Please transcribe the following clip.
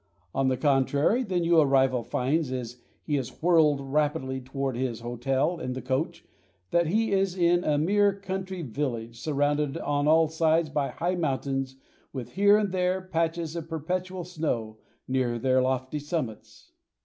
On the contrary, the new arrival finds, as he is whirled rapidly toward his hotel in the coach, that he is in a mere country village surrounded on all sides by high mountains, with here and there patches of perpetual snow near their lofty summits.